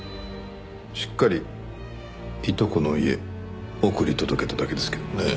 しっかりいとこの家送り届けただけですけどもね。